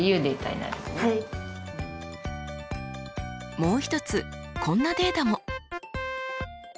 もう一つこんなデータも。